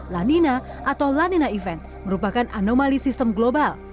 lanina atau lanina event merupakan anomali sistem global